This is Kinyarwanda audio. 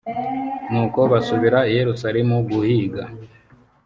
nuko basubira i yerusalemu guhiga.